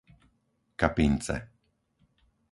Kapince